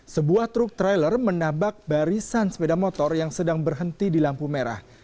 sebuah truk trailer menabak barisan sepeda motor yang sedang berhenti di lampu merah